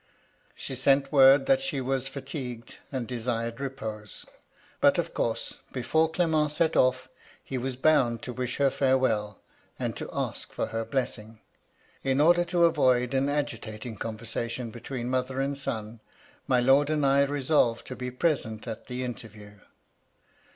She sent word that she was fatigued, and desired repose. But, of course, before Clement set off, he was bound to wish her fare well, and to ask for her blessing. In order to avoid an agitating conversation between mother and son, my lord and I resolved to be present at the interview.